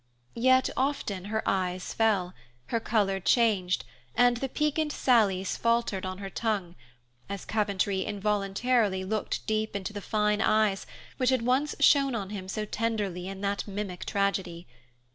Yet often her eyes fell, her color changed, and the piquant sallies faltered on her tongue, as Coventry involuntarily looked deep into the fine eyes which had once shone on him so tenderly in that mimic tragedy.